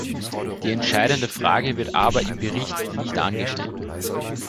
Die entscheidende Frage wird aber im Bericht nicht angeschnitten.